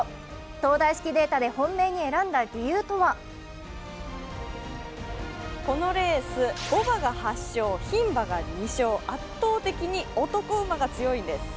東大式データで本命に選んだ理由とはこのレースぼ馬が８勝、ひん馬が２勝圧倒的に男馬が強いんです。